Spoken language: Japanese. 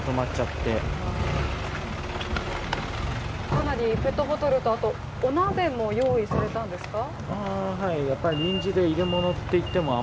かなりペットボトルとあと、お鍋も用意されたんですか？